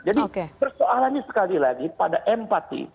jadi persoalannya sekali lagi pada empati